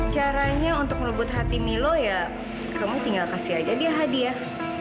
caranya untuk merebut hati milo ya kamu tinggal kasih aja dia hadiah